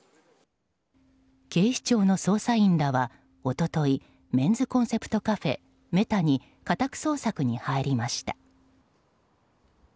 警視庁の捜査員らは一昨日、メンズコンセプトカフェＭＥＴＡに家宅捜索に入りました。